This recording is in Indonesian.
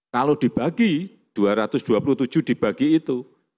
kalau dibagi dua ratus dua puluh tujuh dibagi itu